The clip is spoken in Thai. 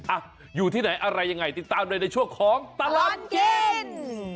อ่ะอยู่ที่ไหนอะไรยังไงติดตามเลยในช่วงของตลอดกิน